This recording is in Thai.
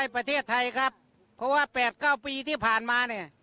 เพราะว่า๘๙ปีที่ผ่านมา